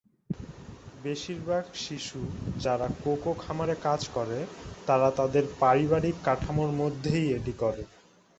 বেশিরভাগ শিশু যারা কোকো খামারে কাজ করে তারা তাদের পারিবারিক কাঠামোর মধ্যেই এটি করে।